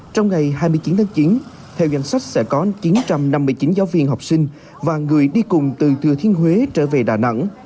trong ngày hai mươi chín tháng chín theo danh sách sẽ có chín trăm năm mươi chín giáo viên học sinh và người đi cùng từ thừa thiên huế trở về đà nẵng